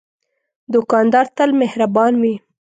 دوکاندار تل مهربان وي.